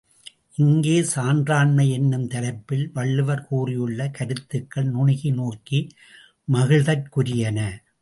இங்கே, சான்றாண்மை என்னும் தலைப்பில் வள்ளுவர் கூறியுள்ள கருத்துகள் நுணுகி நோக்கி மகிழ்தற்கு உரியன.